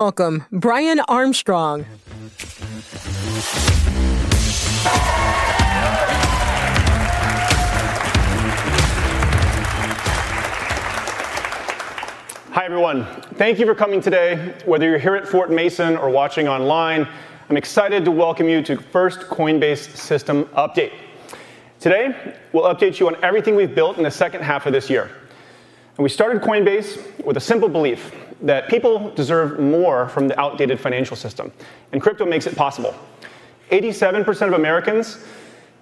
Welcome, Brian Armstrong. Hi, everyone. Thank you for coming today, whether you're here at Fort Mason or watching online. I'm excited to welcome you to the first Coinbase System Update. Today, we'll update you on everything we've built in the second half of this year. We started Coinbase with a simple belief that people deserve more from the outdated financial system, and crypto makes it possible. 87% of Americans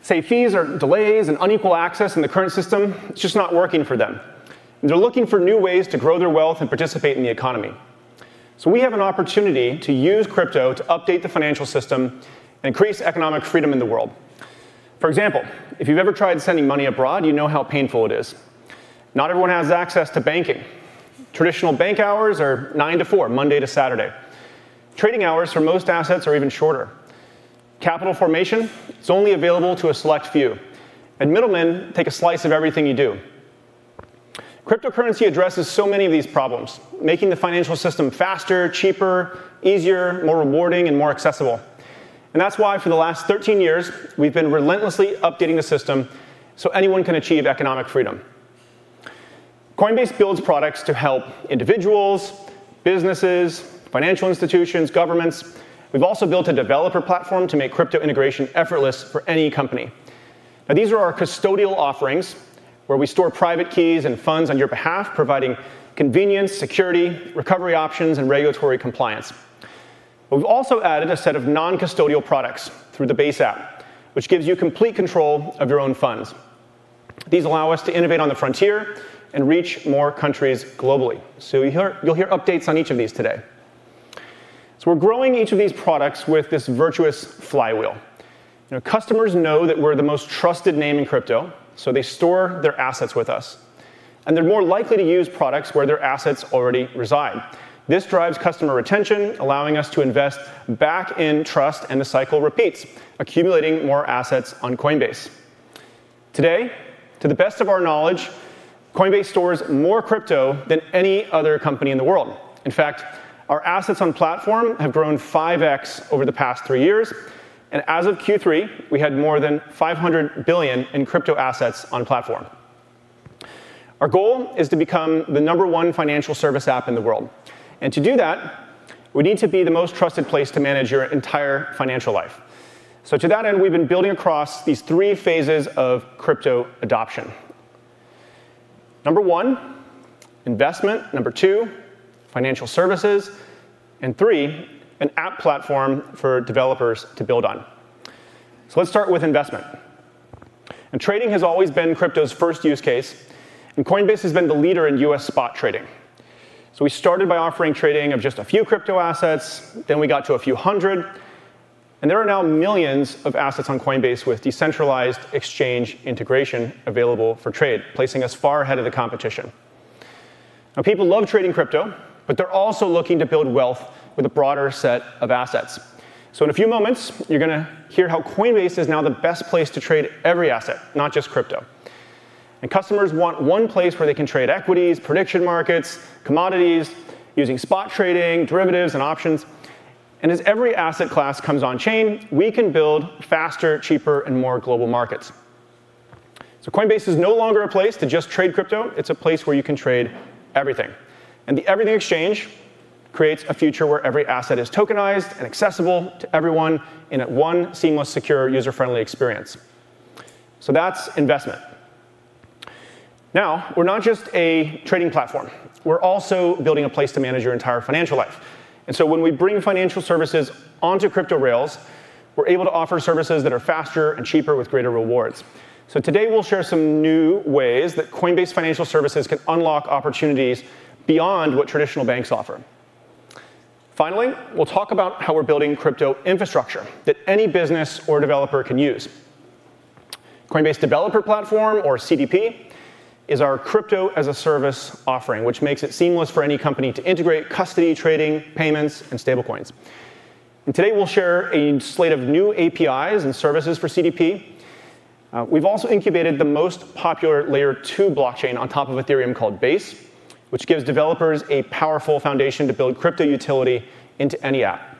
say fees or delays and unequal access in the current system are just not working for them. They're looking for new ways to grow their wealth and participate in the economy. So we have an opportunity to use crypto to update the financial system and increase economic freedom in the world. For example, if you've ever tried sending money abroad, you know how painful it is. Not everyone has access to banking. Traditional bank hours are 9:00 A.M. to 4:00 P.M., Monday to Saturday. Trading hours for most assets are even shorter. Capital formation is only available to a select few, and middlemen take a slice of everything you do. Cryptocurrency addresses so many of these problems, making the financial system faster, cheaper, easier, more rewarding, and more accessible. And that's why, for the last 13 years, we've been relentlessly updating the system so anyone can achieve economic freedom. Coinbase builds products to help individuals, businesses, financial institutions, governments. We've also built a developer platform to make crypto integration effortless for any company. These are our custodial offerings, where we store private keys and funds on your behalf, providing convenience, security, recovery options, and regulatory compliance. We've also added a set of non-custodial products through the Base App, which gives you complete control of your own funds. These allow us to innovate on the frontier and reach more countries globally. You'll hear updates on each of these today. We're growing each of these products with this virtuous flywheel. Customers know that we're the most trusted name in crypto, so they store their assets with us. They're more likely to use products where their assets already reside. This drives customer retention, allowing us to invest back in trust, and the cycle repeats, accumulating more assets on Coinbase. Today, to the best of our knowledge, Coinbase stores more crypto than any other company in the world. In fact, our assets on platform have grown 5x over the past three years. As of Q3, we had more than $500 billion in crypto assets on platform. Our goal is to become the number one financial service app in the world. To do that, we need to be the most trusted place to manage your entire financial life. So to that end, we've been building across these three phases of crypto adoption. Number one, investment. Number two, financial services. And three, an app platform for developers to build on. So let's start with investment. Trading has always been crypto's first use case, and Coinbase has been the leader in U.S. spot trading. So we started by offering trading of just a few crypto assets. Then we got to a few hundred. And there are now millions of assets on Coinbase with decentralized exchange integration available for trade, placing us far ahead of the competition. People love trading crypto, but they're also looking to build wealth with a broader set of assets. So in a few moments, you're going to hear how Coinbase is now the best place to trade every asset, not just crypto. And customers want one place where they can trade equities, prediction markets, commodities, using spot trading, derivatives, and options. And as every asset class comes on chain, we can build faster, cheaper, and more global markets. So Coinbase is no longer a place to just trade crypto. It's a place where you can trade everything. And the everything exchange creates a future where every asset is tokenized and accessible to everyone in one seamless, secure, user-friendly experience. So that's investment. Now, we're not just a trading platform. We're also building a place to manage your entire financial life. And so when we bring financial services onto crypto rails, we're able to offer services that are faster and cheaper with greater rewards. So today, we'll share some new ways that Coinbase financial services can unlock opportunities beyond what traditional banks offer. Finally, we'll talk about how we're building crypto infrastructure that any business or developer can use. Coinbase Developer Platform, or CDP, is our crypto as a service offering, which makes it seamless for any company to integrate custody trading, payments, and stablecoins, and today, we'll share a slate of new APIs and services for CDP. We've also incubated the most popular Layer 2 blockchain on top of Ethereum called Base, which gives developers a powerful foundation to build crypto utility into any app.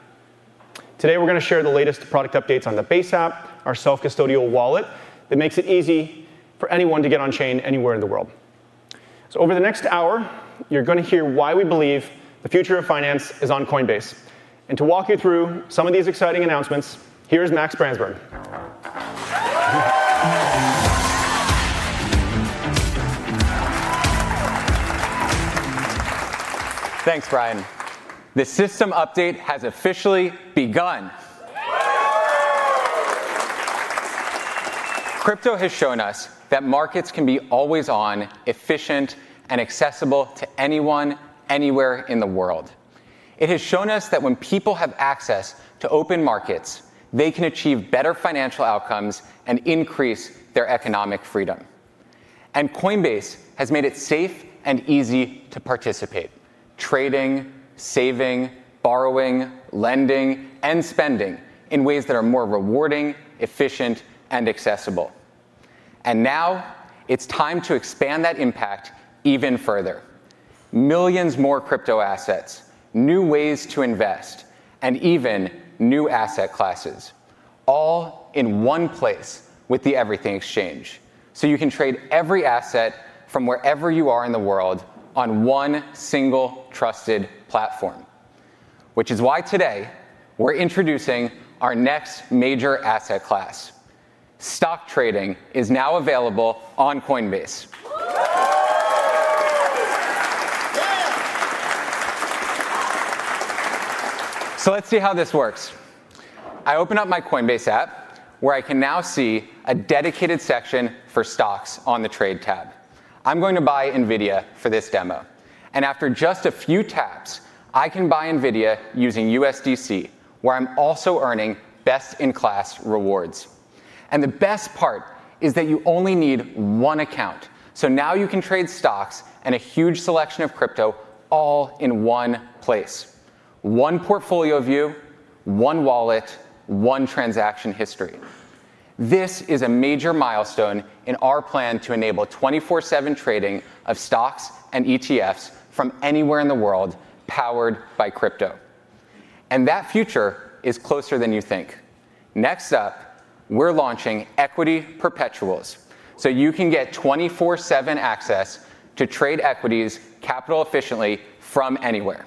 Today, we're going to share the latest product updates on the Base App, our self-custodial wallet that makes it easy for anyone to get on chain anywhere in the world, so over the next hour, you're going to hear why we believe the future of finance is on Coinbase, and to walk you through some of these exciting announcements, here's Max Branzburg. Thanks, Brian. The system update has officially begun. Crypto has shown us that markets can be always on, efficient, and accessible to anyone, anywhere in the world. It has shown us that when people have access to open markets, they can achieve better financial outcomes and increase their economic freedom, and Coinbase has made it safe and easy to participate: trading, saving, borrowing, lending, and spending in ways that are more rewarding, efficient, and accessible, and now, it's time to expand that impact even further. Millions more crypto assets, new ways to invest, and even new asset classes, all in one place with the everything exchange, so you can trade every asset from wherever you are in the world on one single trusted platform, which is why today we're introducing our next major asset class. Stock trading is now available on Coinbase, so let's see how this works. I open up my Coinbase app, where I can now see a dedicated section for stocks on the Trade tab. I'm going to buy NVIDIA for this demo, and after just a few taps, I can buy NVIDIA using USDC, where I'm also earning best-in-class rewards, and the best part is that you only need one account, so now you can trade stocks and a huge selection of crypto all in one place: one portfolio view, one wallet, one transaction history. This is a major milestone in our plan to enable 24/7 trading of stocks and ETFs from anywhere in the world powered by crypto, and that future is closer than you think. Next up, we're launching Equity Perpetuals, so you can get 24/7 access to trade equities capital efficiently from anywhere,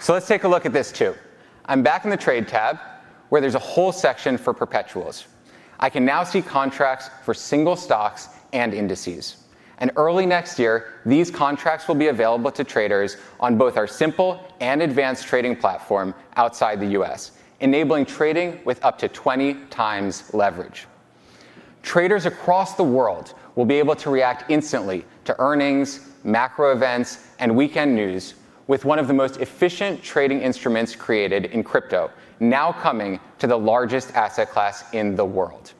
so let's take a look at this too. I'm back in the Trade tab, where there's a whole section for Perpetuals. I can now see contracts for single stocks and indices. And early next year, these contracts will be available to traders on both our simple and advanced trading platform outside the U.S., enabling trading with up to 20 times leverage. Traders across the world will be able to react instantly to earnings, macro events, and weekend news with one of the most efficient trading instruments created in crypto, now coming to the largest asset class in the world.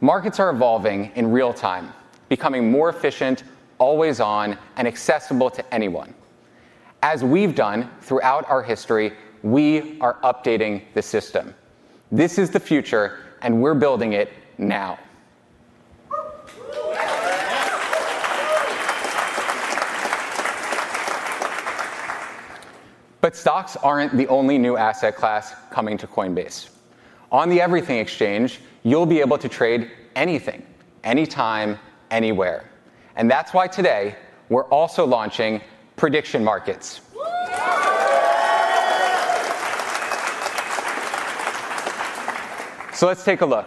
Markets are evolving in real time, becoming more efficient, always on, and accessible to anyone. As we've done throughout our history, we are updating the system. This is the future, and we're building it now. But stocks aren't the only new asset class coming to Coinbase. On the everything exchange, you'll be able to trade anything, anytime, anywhere. And that's why today we're also launching prediction markets. So let's take a look.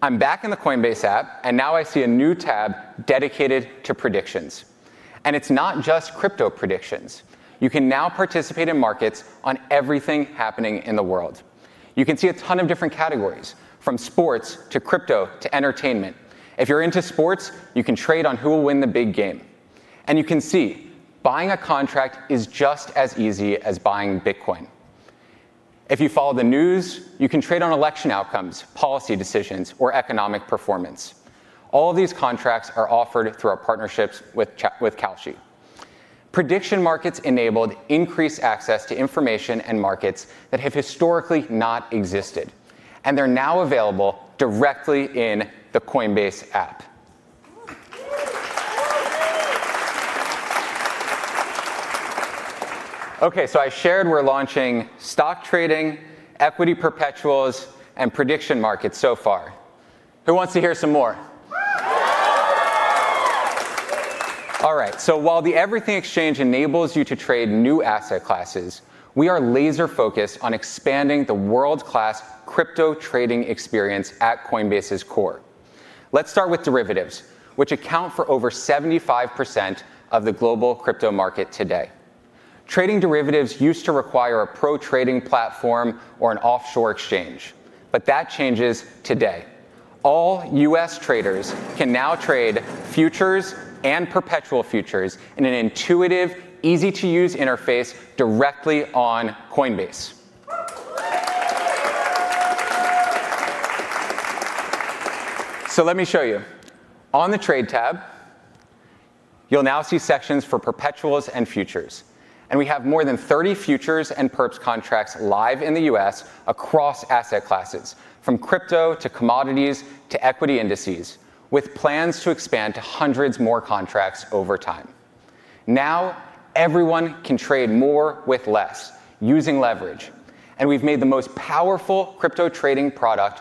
I'm back in the Coinbase App, and now I see a new tab dedicated to predictions. And it's not just crypto predictions. You can now participate in markets on everything happening in the world. You can see a ton of different categories, from sports to crypto to entertainment. If you're into sports, you can trade on who will win the big game. And you can see buying a contract is just as easy as buying Bitcoin. If you follow the news, you can trade on election outcomes, policy decisions, or economic performance. All of these contracts are offered through our partnerships with Kalshi. Prediction markets enabled increased access to information and markets that have historically not existed. And they're now available directly in the Coinbase App. Okay, so I shared we're launching stock trading, equity perpetuals, and prediction markets so far. Who wants to hear some more? All right, so while the everything exchange enables you to trade new asset classes, we are laser-focused on expanding the world-class crypto trading experience at Coinbase's core. Let's start with derivatives, which account for over 75% of the global crypto market today. Trading derivatives used to require a pro trading platform or an offshore exchange, but that changes today. All U.S. traders can now trade futures and perpetual futures in an intuitive, easy-to-use interface directly on Coinbase. So let me show you. On the Trade tab, you'll now see sections for perpetuals and futures. And we have more than 30 futures and perps contracts live in the U.S. across asset classes, from crypto to commodities to equity indices, with plans to expand to hundreds more contracts over time. Now everyone can trade more with less, using leverage. And we've made the most powerful crypto trading product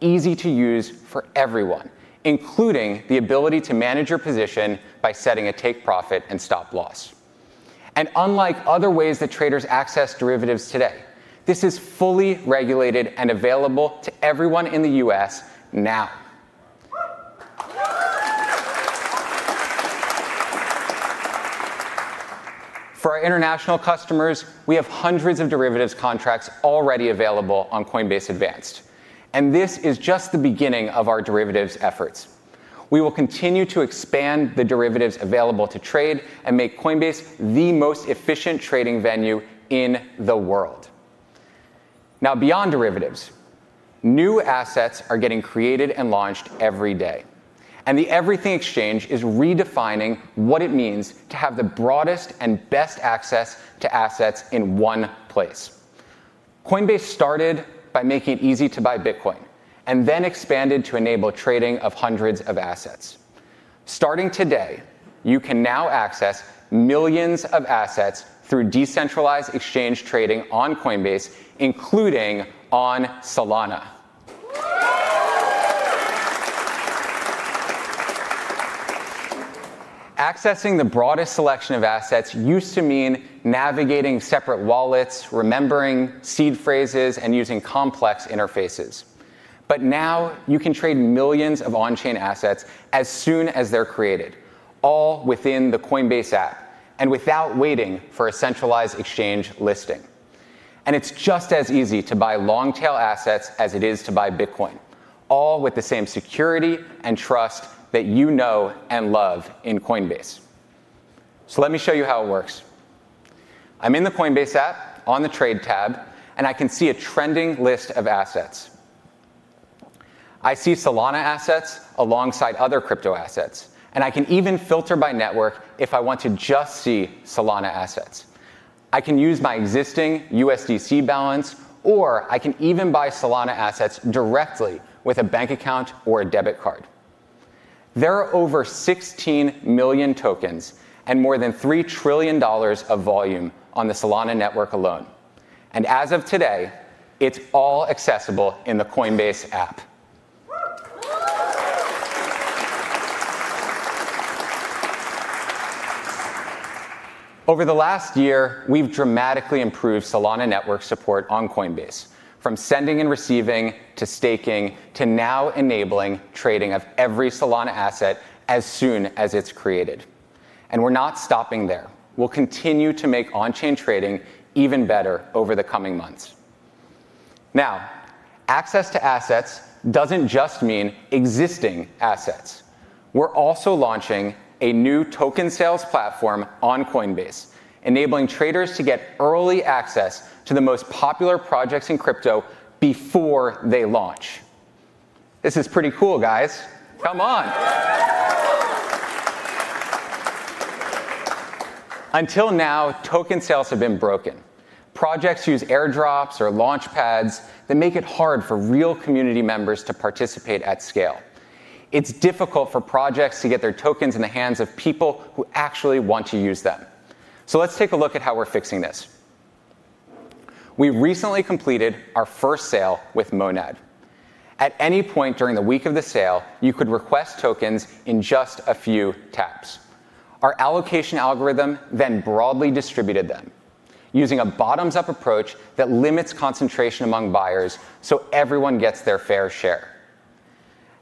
easy to use for everyone, including the ability to manage your position by setting a take profit and stop loss. And unlike other ways that traders access derivatives today, this is fully regulated and available to everyone in the U.S. now. For our international customers, we have hundreds of derivatives contracts already available on Coinbase Advanced. And this is just the beginning of our derivatives efforts. We will continue to expand the derivatives available to trade and make Coinbase the most efficient trading venue in the world. Now, beyond derivatives, new assets are getting created and launched every day. And the everything exchange is redefining what it means to have the broadest and best access to assets in one place. Coinbase started by making it easy to buy Bitcoin and then expanded to enable trading of hundreds of assets. Starting today, you can now access millions of assets through decentralized exchange trading on Coinbase, including on Solana. Accessing the broadest selection of assets used to mean navigating separate wallets, remembering seed phrases, and using complex interfaces. But now you can trade millions of on-chain assets as soon as they're created, all within the Coinbase app and without waiting for a centralized exchange listing. And it's just as easy to buy long-tail assets as it is to buy Bitcoin, all with the same security and trust that you know and love in Coinbase. So let me show you how it works. I'm in the Coinbase app on the Trade tab, and I can see a trending list of assets. I see Solana assets alongside other crypto assets. And I can even filter by network if I want to just see Solana assets. I can use my existing USDC balance, or I can even buy Solana assets directly with a bank account or a debit card. There are over 16 million tokens and more than $3 trillion of volume on the Solana network alone. And as of today, it's all accessible in the Coinbase app. Over the last year, we've dramatically improved Solana network support on Coinbase, from sending and receiving to staking to now enabling trading of every Solana asset as soon as it's created. And we're not stopping there. We'll continue to make on-chain trading even better over the coming months. Now, access to assets doesn't just mean existing assets. We're also launching a new token sales platform on Coinbase, enabling traders to get early access to the most popular projects in crypto before they launch. This is pretty cool, guys. Come on. Until now, token sales have been broken. Projects use airdrops or launchpads that make it hard for real community members to participate at scale. It's difficult for projects to get their tokens in the hands of people who actually want to use them. So let's take a look at how we're fixing this. We recently completed our first sale with Monad. At any point during the week of the sale, you could request tokens in just a few taps. Our allocation algorithm then broadly distributed them, using a bottoms-up approach that limits concentration among buyers so everyone gets their fair share.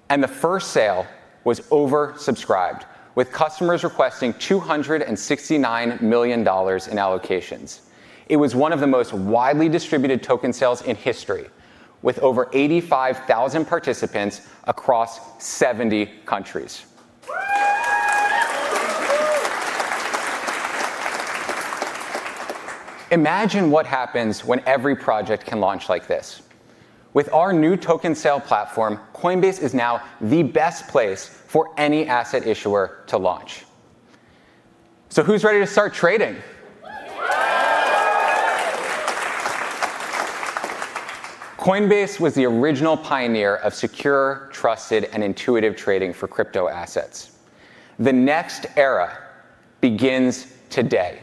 And the first sale was oversubscribed, with customers requesting $269 million in allocations. It was one of the most widely distributed token sales in history, with over 85,000 participants across 70 countries. Imagine what happens when every project can launch like this. With our new token sale platform, Coinbase is now the best place for any asset issuer to launch. So who's ready to start trading? Coinbase was the original pioneer of secure, trusted, and intuitive trading for crypto assets. The next era begins today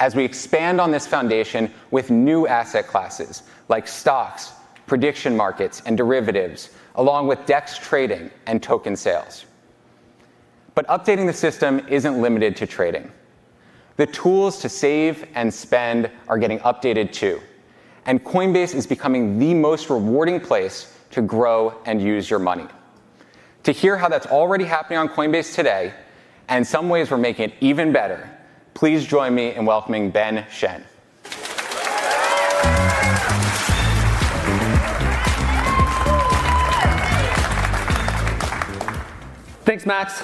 as we expand on this foundation with new asset classes like stocks, prediction markets, and derivatives, along with DEX trading and token sales. But updating the system isn't limited to trading. The tools to save and spend are getting updated too. And Coinbase is becoming the most rewarding place to grow and use your money. To hear how that's already happening on Coinbase today and some ways we're making it even better, please join me in welcoming Ben Hsiang. Thanks, Max.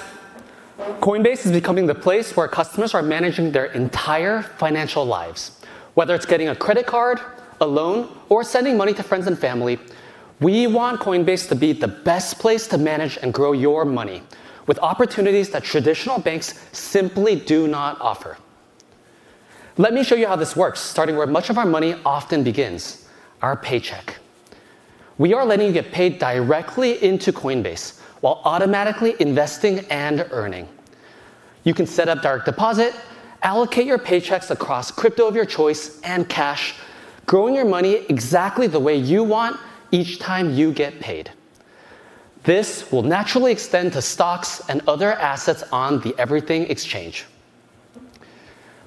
Coinbase is becoming the place where customers are managing their entire financial lives. Whether it's getting a credit card, a loan, or sending money to friends and family, we want Coinbase to be the best place to manage and grow your money with opportunities that traditional banks simply do not offer. Let me show you how this works, starting where much of our money often begins, our paycheck. We are letting you get paid directly into Coinbase while automatically investing and earning. You can set up direct deposit, allocate your paychecks across crypto of your choice, and cash, growing your money exactly the way you want each time you get paid. This will naturally extend to stocks and other assets on the everything exchange.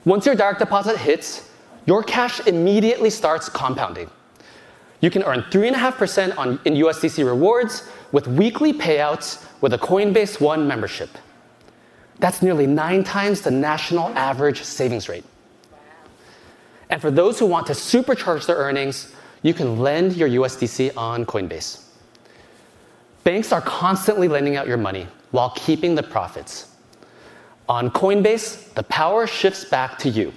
Once your direct deposit hits, your cash immediately starts compounding. You can earn 3.5% in USDC rewards with weekly payouts with a Coinbase One membership. That's nearly nine times the national average savings rate. And for those who want to supercharge their earnings, you can lend your USDC on Coinbase. Banks are constantly lending out your money while keeping the profits. On Coinbase, the power shifts back to you.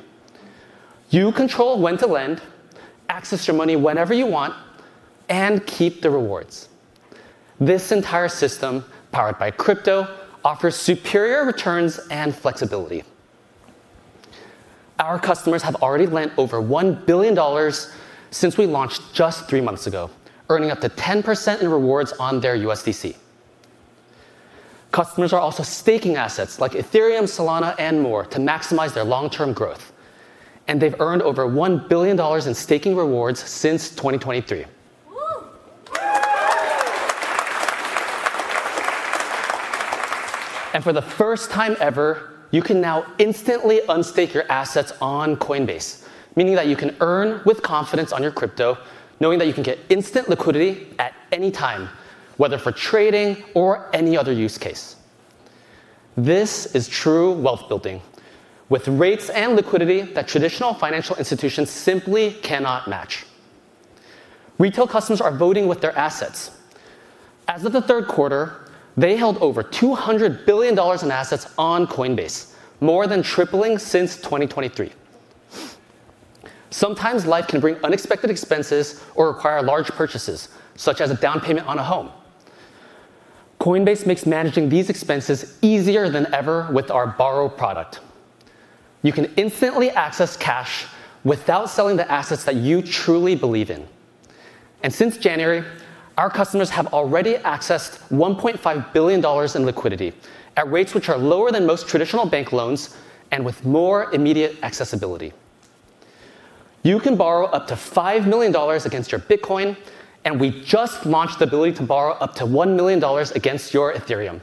You control when to lend, access your money whenever you want, and keep the rewards. This entire system, powered by crypto, offers superior returns and flexibility. Our customers have already lent over $1 billion since we launched just three months ago, earning up to 10% in rewards on their USDC. Customers are also staking assets like Ethereum, Solana, and more to maximize their long-term growth. And they've earned over $1 billion in staking rewards since 2023. For the first time ever, you can now instantly unstake your assets on Coinbase, meaning that you can earn with confidence on your crypto, knowing that you can get instant liquidity at any time, whether for trading or any other use case. This is true wealth building, with rates and liquidity that traditional financial institutions simply cannot match. Retail customers are voting with their assets. As of the third quarter, they held over $200 billion in assets on Coinbase, more than tripling since 2023. Sometimes life can bring unexpected expenses or require large purchases, such as a down payment on a home. Coinbase makes managing these expenses easier than ever with our borrow product. You can instantly access cash without selling the assets that you truly believe in. Since January, our customers have already accessed $1.5 billion in liquidity at rates which are lower than most traditional bank loans and with more immediate accessibility. You can borrow up to $5 million against your Bitcoin, and we just launched the ability to borrow up to $1 million against your Ethereum.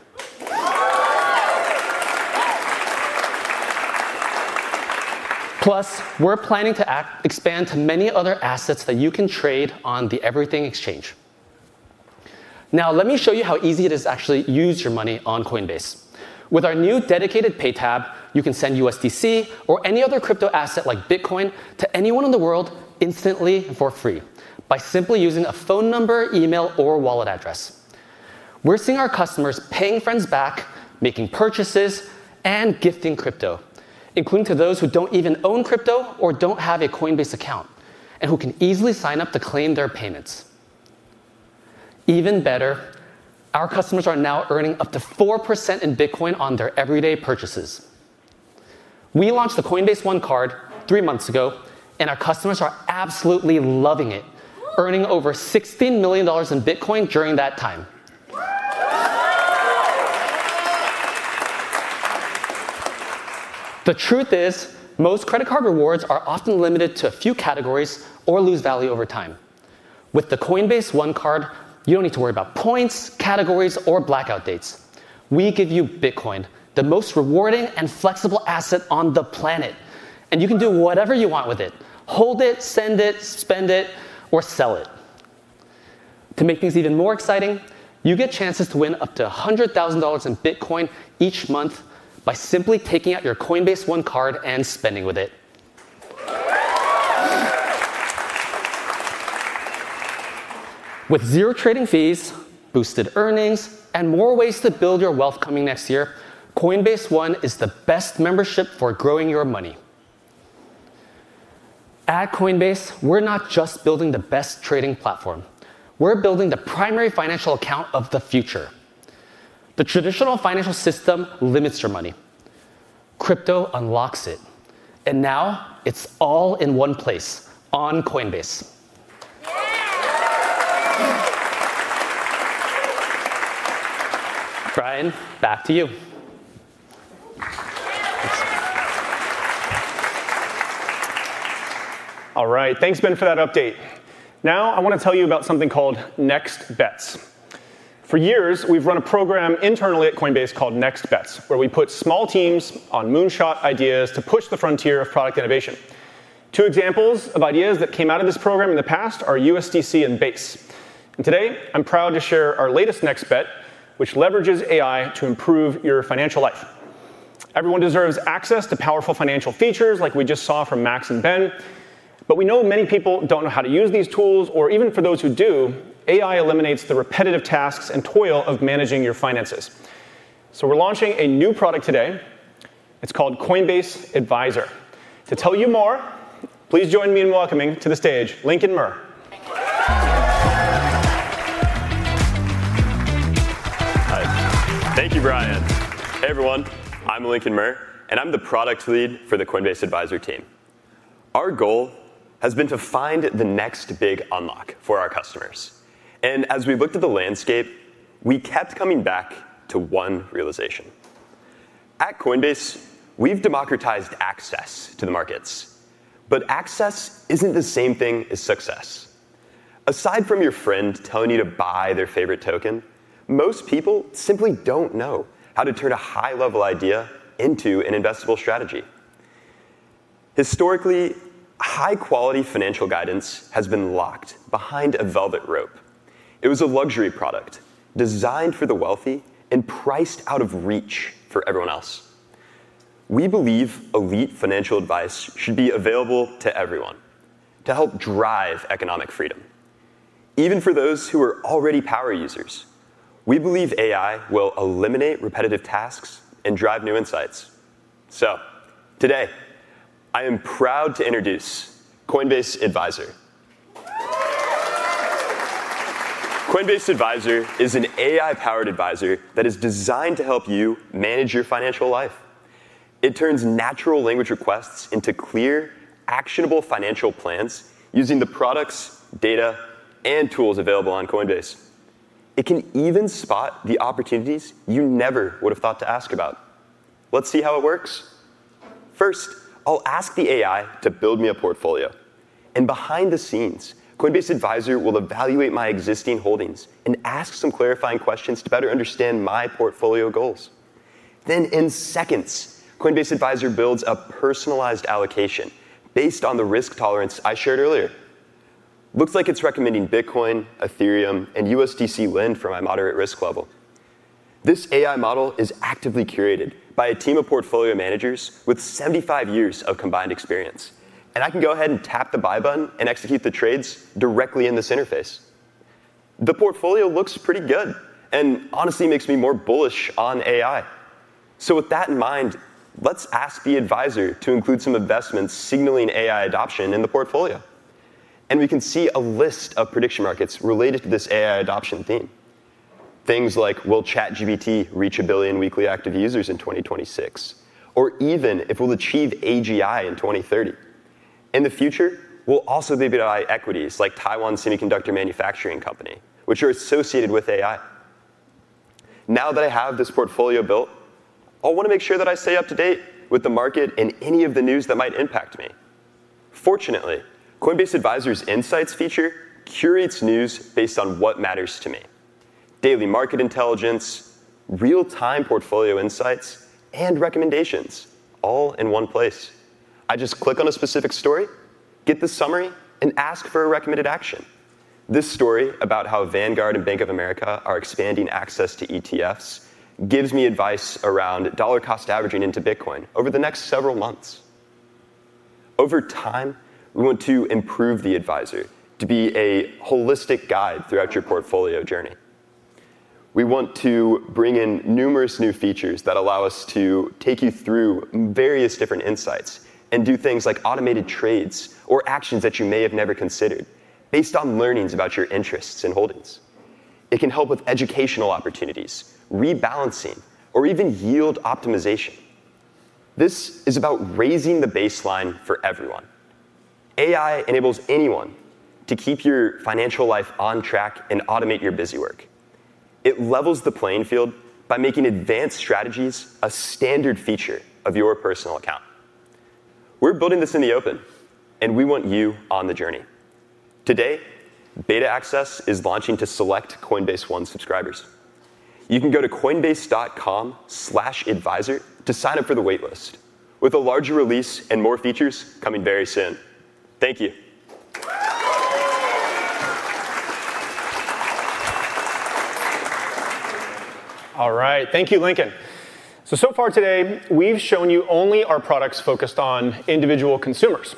Plus, we're planning to expand to many other assets that you can trade on the advanced exchange. Now, let me show you how easy it is to actually use your money on Coinbase. With our new dedicated Pay tab, you can send USDC or any other crypto asset like Bitcoin to anyone in the world instantly and for free by simply using a phone number, email, or wallet address. We're seeing our customers paying friends back, making purchases, and gifting crypto, including to those who don't even own crypto or don't have a Coinbase account and who can easily sign up to claim their payments. Even better, our customers are now earning up to 4% in Bitcoin on their everyday purchases. We launched the Coinbase One Card three months ago, and our customers are absolutely loving it, earning over $16 million in Bitcoin during that time. The truth is, most credit card rewards are often limited to a few categories or lose value over time. With the Coinbase One Card, you don't need to worry about points, categories, or blackout dates. We give you Bitcoin, the most rewarding and flexible asset on the planet, and you can do whatever you want with it: hold it, send it, spend it, or sell it. To make things even more exciting, you get chances to win up to $100,000 in Bitcoin each month by simply taking out your Coinbase One card and spending with it. With zero trading fees, boosted earnings, and more ways to build your wealth coming next year, Coinbase One is the best membership for growing your money. At Coinbase, we're not just building the best trading platform. We're building the primary financial account of the future. The traditional financial system limits your money. Crypto unlocks it. And now it's all in one place on Coinbase. Brian, back to you. All right. Thanks, Ben, for that update. Now, I want to tell you about something called NextBets. For years, we've run a program internally at Coinbase called NextBets, where we put small teams on moonshot ideas to push the frontier of product innovation. Two examples of ideas that came out of this program in the past are USDC and Base. And today, I'm proud to share our latest NextBet, which leverages AI to improve your financial life. Everyone deserves access to powerful financial features like we just saw from Max and Ben. But we know many people don't know how to use these tools. Or even for those who do, AI eliminates the repetitive tasks and toil of managing your finances. So we're launching a new product today. It's called Coinbase Advisor. To tell you more, please join me in welcoming Lincoln Murr to the stage. Thank you, Brian. Hey, everyone. I'm Lincoln Murr, and I'm the product lead for the Coinbase Advisor team. Our goal has been to find the next big unlock for our customers. And as we've looked at the landscape, we kept coming back to one realization. At Coinbase, we've democratized access to the markets. But access isn't the same thing as success. Aside from your friend telling you to buy their favorite token, most people simply don't know how to turn a high-level idea into an investable strategy. Historically, high-quality financial guidance has been locked behind a velvet rope. It was a luxury product designed for the wealthy and priced out of reach for everyone else. We believe elite financial advice should be available to everyone to help drive economic freedom, even for those who are already power users. We believe AI will eliminate repetitive tasks and drive new insights. So today, I am proud to introduce Coinbase Advisor. Coinbase Advisor is an AI-powered advisor that is designed to help you manage your financial life. It turns natural language requests into clear, actionable financial plans using the products, data, and tools available on Coinbase. It can even spot the opportunities you never would have thought to ask about. Let's see how it works. First, I'll ask the AI to build me a portfolio, and behind the scenes, Coinbase Advisor will evaluate my existing holdings and ask some clarifying questions to better understand my portfolio goals, then, in seconds, Coinbase Advisor builds a personalized allocation based on the risk tolerance I shared earlier. Looks like it's recommending Bitcoin, Ethereum, and USDC Lend for my moderate risk level. This AI model is actively curated by a team of portfolio managers with 75 years of combined experience, and I can go ahead and tap the buy button and execute the trades directly in this interface. The portfolio looks pretty good and honestly makes me more bullish on AI, so with that in mind, let's ask the advisor to include some investments signaling AI adoption in the portfolio. We can see a list of prediction markets related to this AI adoption theme. Things like, will ChatGPT reach a billion weekly active users in 2026? Or even if we'll achieve AGI in 2030? In the future, we'll also be able to buy equities like Taiwan Semiconductor Manufacturing Company, which are associated with AI. Now that I have this portfolio built, I want to make sure that I stay up to date with the market and any of the news that might impact me. Fortunately, Coinbase Advisor’s Insights feature curates news based on what matters to me: daily market intelligence, real-time portfolio insights, and recommendations, all in one place. I just click on a specific story, get the summary, and ask for a recommended action. This story about how Vanguard and Bank of America are expanding access to ETFs gives me advice around dollar-cost averaging into Bitcoin over the next several months. Over time, we want to improve the advisor to be a holistic guide throughout your portfolio journey. We want to bring in numerous new features that allow us to take you through various different insights and do things like automated trades or actions that you may have never considered based on learnings about your interests and holdings. It can help with educational opportunities, rebalancing, or even yield optimization. This is about raising the baseline for everyone. AI enables anyone to keep your financial life on track and automate your busy work. It levels the playing field by making advanced strategies a standard feature of your personal account. We're building this in the open, and we want you on the journey. Today, Beta Access is launching to select Coinbase One subscribers. You can go to coinbase.com/advisor to sign up for the waitlist with a larger release and more features coming very soon. Thank you. All right. Thank you, Lincoln. So far today, we've shown you only our products focused on individual consumers.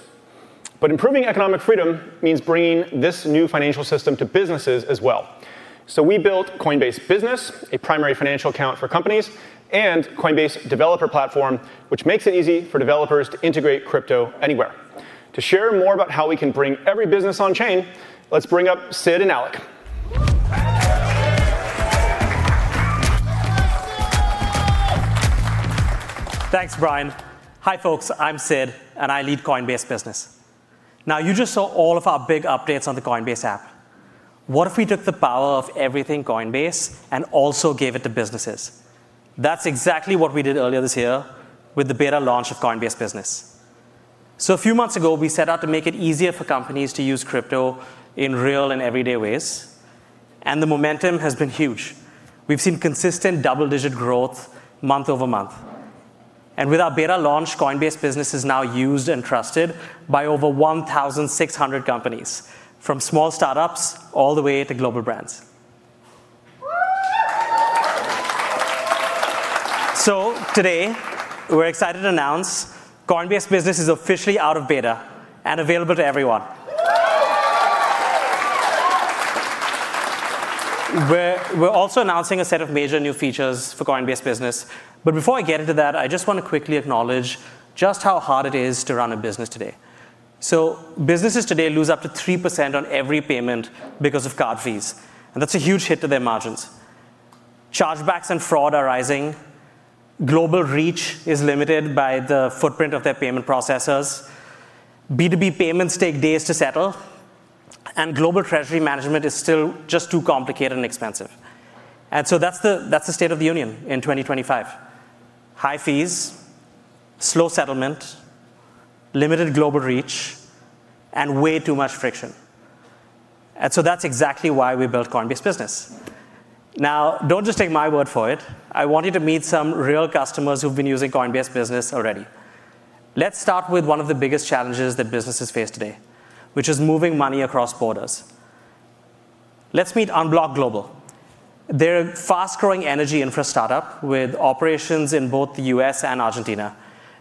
But improving economic freedom means bringing this new financial system to businesses as well. So we built Coinbase Business, a primary financial account for companies, and Coinbase Developer Platform, which makes it easy for developers to integrate crypto anywhere. To share more about how we can bring every business on-chain, let's bring up Sid and Alec. Thanks, Brian. Hi, folks. I'm Sid, and I lead Coinbase Business. Now, you just saw all of our big updates on the Coinbase app. What if we took the power of everything Coinbase and also gave it to businesses? That's exactly what we did earlier this year with the beta launch of Coinbase Business. So, a few months ago, we set out to make it easier for companies to use crypto in real and everyday ways. And the momentum has been huge. We've seen consistent double-digit growth month over month. And with our beta launch, Coinbase Business is now used and trusted by over 1,600 companies, from small startups all the way to global brands. So today, we're excited to announce Coinbase Business is officially out of beta and available to everyone. We're also announcing a set of major new features for Coinbase Business. But before I get into that, I just want to quickly acknowledge just how hard it is to run a business today. So businesses today lose up to 3% on every payment because of card fees. And that's a huge hit to their margins. Chargebacks and fraud are rising. Global reach is limited by the footprint of their payment processors. B2B payments take days to settle. And global treasury management is still just too complicated and expensive. And so that's the state of the union in 2025: high fees, slow settlement, limited global reach, and way too much friction. And so that's exactly why we built Coinbase Business. Now, don't just take my word for it. I want you to meet some real customers who've been using Coinbase Business already. Let's start with one of the biggest challenges that businesses face today, which is moving money across borders. Let's meet Unblock Global. They're a fast-growing energy infrastructure startup with operations in both the U.S. and Argentina.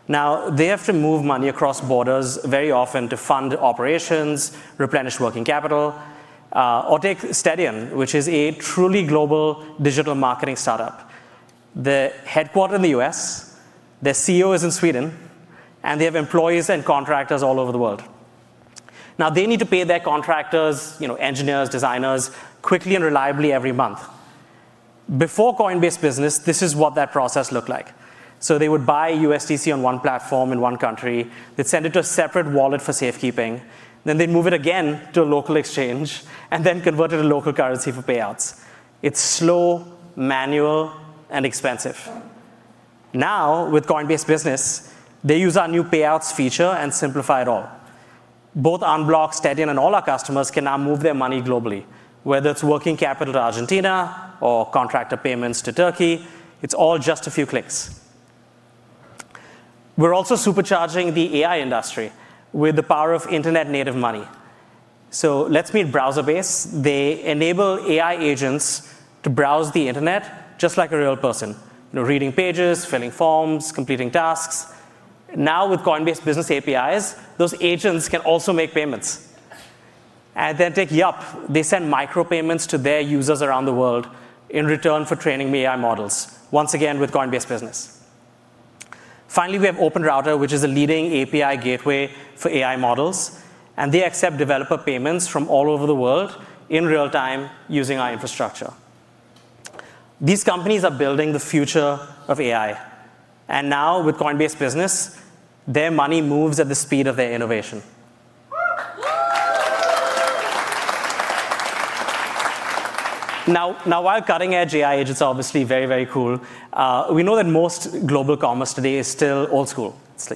Now, they have to move money across borders very often to fund operations, replenish working capital, or take Stadium?, which is a truly global digital marketing startup. They're headquartered in the U.S. Their CEO is in Sweden. And they have employees and contractors all over the world. Now, they need to pay their contractors, engineers, designers, quickly and reliably every month. Before Coinbase Business, this is what that process looked like. So they would buy USDC on one platform in one country. They'd send it to a separate wallet for safekeeping. Then they'd move it again to a local exchange and then convert it to local currency for payouts. It's slow, manual, and expensive. Now, with Coinbase Business, they use our new payouts feature and simplify it all. Both Unblock, Stadium, and all our customers can now move their money globally, whether it's working capital to Argentina or contractor payments to Turkey. It's all just a few clicks. We're also supercharging the AI industry with the power of internet-native money. So let's meet Browserbase. They enable AI agents to browse the internet just like a real person, reading pages, filling forms, completing tasks. Now, with Coinbase Business APIs, those agents can also make payments. And then take Yup. They send micropayments to their users around the world in return for training the AI models, once again with Coinbase Business. Finally, we have OpenRouter, which is a leading API gateway for AI models. And they accept developer payments from all over the world in real time using our infrastructure. These companies are building the future of AI. And now, with Coinbase Business, their money moves at the speed of their innovation. Now, while cutting-edge AI agents are obviously very, very cool, we know that most global commerce today is still old school. It's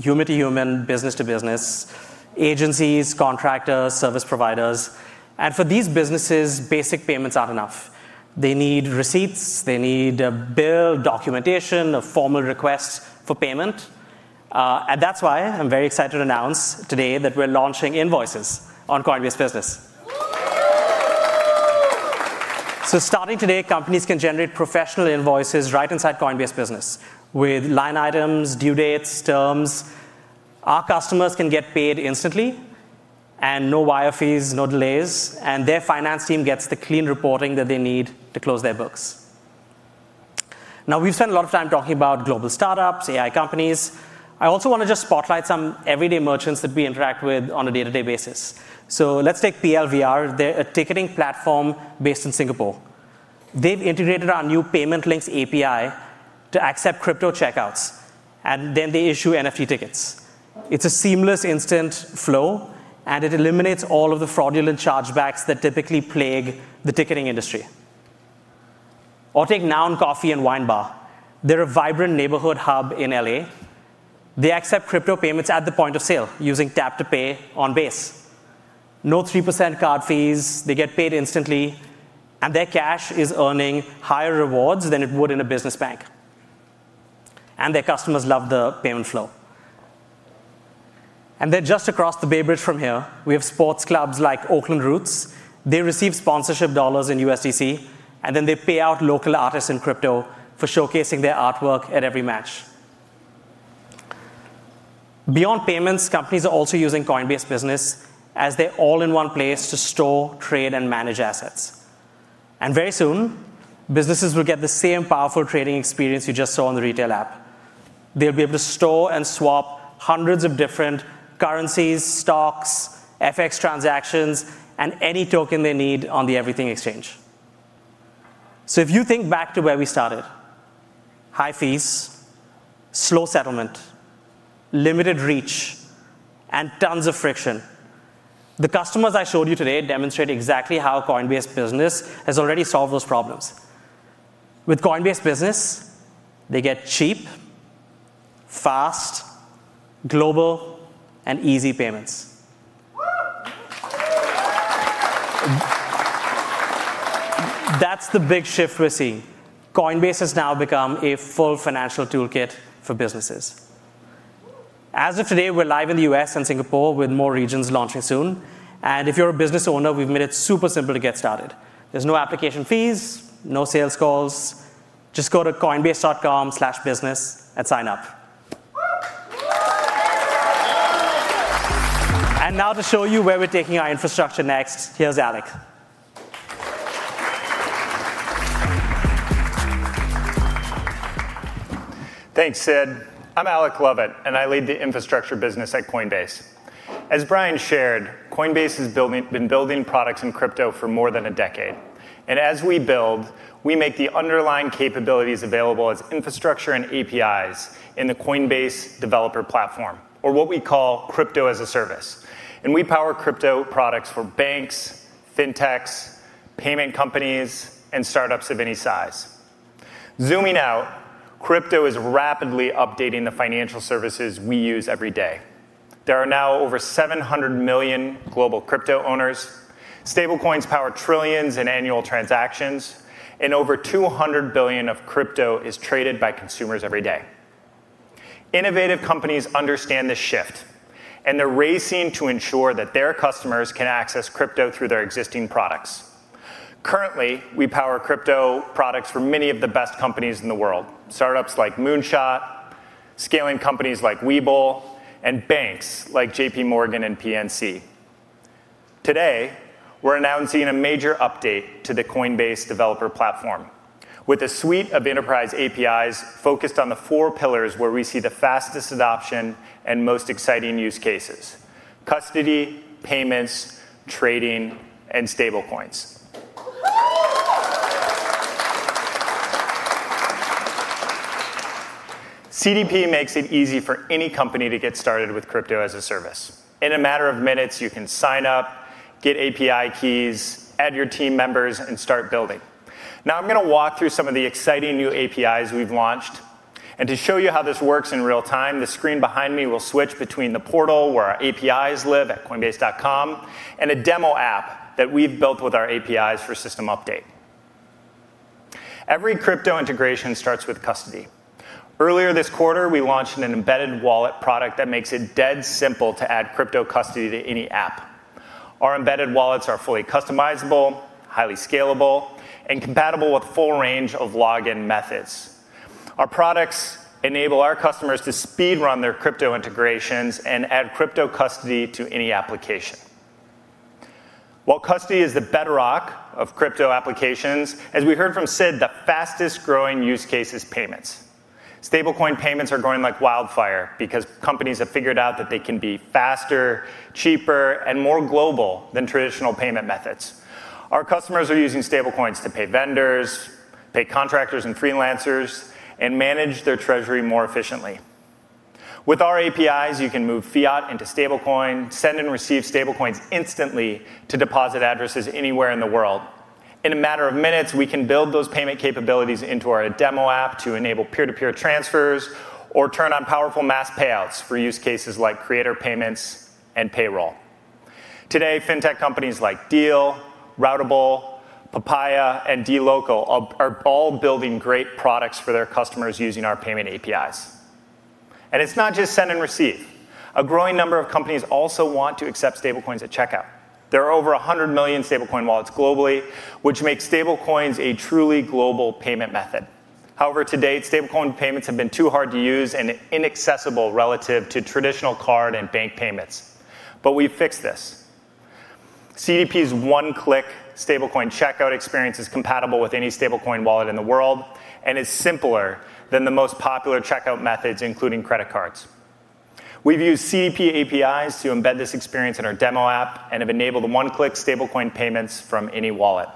human-to-human, business-to-business, agencies, contractors, service providers. And for these businesses, basic payments aren't enough. They need receipts. They need a bill, documentation, a formal request for payment, and that's why I'm very excited to announce today that we're launching invoices on Coinbase Business, so starting today, companies can generate professional invoices right inside Coinbase Business with line items, due dates, terms. Our customers can get paid instantly and no wire fees, no delays. And their finance team gets the clean reporting that they need to close their books. Now, we've spent a lot of time talking about global startups, AI companies. I also want to just spotlight some everyday merchants that we interact with on a day-to-day basis, so let's take PLVR. They're a ticketing platform based in Singapore. They've integrated our new Payment Links API to accept crypto checkouts, and then they issue NFT tickets. It's a seamless, instant flow, and it eliminates all of the fraudulent chargebacks that typically plague the ticketing industry. Or take Now & Coffee & Wine Bar. They're a vibrant neighborhood hub in LA. They accept crypto payments at the point of sale using tap-to-pay on Base. No 3% card fees. They get paid instantly. And their cash is earning higher rewards than it would in a business bank. And their customers love the payment flow. And then just across the Bay Bridge from here, we have sports clubs like Oakland Roots. They receive sponsorship dollars in USDC. And then they pay out local artists in crypto for showcasing their artwork at every match. Beyond payments, companies are also using Coinbase Business as their all-in-one place to store, trade, and manage assets. And very soon, businesses will get the same powerful trading experience you just saw on the retail app. They'll be able to store and swap hundreds of different currencies, stocks, FX transactions, and any token they need on the everything exchange. So if you think back to where we started, high fees, slow settlement, limited reach, and tons of friction, the customers I showed you today demonstrate exactly how Coinbase Business has already solved those problems. With Coinbase Business, they get cheap, fast, global, and easy payments. That's the big shift we're seeing. Coinbase has now become a full financial toolkit for businesses. As of today, we're live in the U.S. and Singapore with more regions launching soon, and if you're a business owner, we've made it super simple to get started. There's no application fees, no sales calls. Just go to coinbase.com/business and sign up, and now to show you where we're taking our infrastructure next, here's Alec. Thanks, Sid. I'm Alec Lovett, and I lead the infrastructure business at Coinbase. As Brian shared, Coinbase has been building products in crypto for more than a decade, and as we build, we make the underlying capabilities available as infrastructure and APIs in the Coinbase Developer Platform, or what we call crypto as a service, and we power crypto products for banks, fintechs, payment companies, and startups of any size. Zooming out, crypto is rapidly updating the financial services we use every day. There are now over 700 million global crypto owners. Stablecoins power trillions in annual transactions, and over 200 billion of crypto is traded by consumers every day. Innovative companies understand this shift, and they're racing to ensure that their customers can access crypto through their existing products. Currently, we power crypto products for many of the best companies in the world, startups like Moonshot, scaling companies like Webull, and banks like J.P. Morgan and PNC. Today, we're announcing a major update to the Coinbase Developer Platform with a suite of enterprise APIs focused on the four pillars where we see the fastest adoption and most exciting use cases: custody, payments, trading, and stablecoins. CDP makes it easy for any company to get started with crypto as a service. In a matter of minutes, you can sign up, get API keys, add your team members, and start building. Now, I'm going to walk through some of the exciting new APIs we've launched. To show you how this works in real time, the screen behind me will switch between the portal where our APIs live at coinbase.com and a demo app that we've built with our APIs for system update. Every crypto integration starts with custody. Earlier this quarter, we launched an embedded wallet product that makes it dead simple to add crypto custody to any app. Our embedded wallets are fully customizable, highly scalable, and compatible with a full range of login methods. Our products enable our customers to speedrun their crypto integrations and add crypto custody to any application. While custody is the bedrock of crypto applications, as we heard from Sid, the fastest-growing use case is payments. Stablecoin payments are growing like wildfire because companies have figured out that they can be faster, cheaper, and more global than traditional payment methods. Our customers are using stablecoins to pay vendors, pay contractors and freelancers, and manage their treasury more efficiently. With our APIs, you can move fiat into stablecoin, send and receive stablecoins instantly to deposit addresses anywhere in the world. In a matter of minutes, we can build those payment capabilities into our demo app to enable peer-to-peer transfers or turn on powerful mass payouts for use cases like creator payments and payroll. Today, fintech companies like Deel, Routable, Papaya, and dLocal are all building great products for their customers using our payment APIs. And it's not just send and receive. A growing number of companies also want to accept stablecoins at checkout. There are over 100 million stablecoin wallets globally, which makes stablecoins a truly global payment method. However, to date, stablecoin payments have been too hard to use and inaccessible relative to traditional card and bank payments. But we've fixed this. CDP's one-click stablecoin checkout experience is compatible with any stablecoin wallet in the world and is simpler than the most popular checkout methods, including credit cards. We've used CDP APIs to embed this experience in our demo app and have enabled one-click stablecoin payments from any wallet.